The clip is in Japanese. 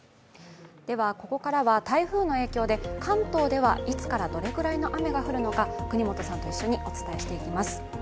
ここからは台風の影響で関東ではいつからどれくらいの雨が降るのか國本さんと一緒にお伝えしていきます。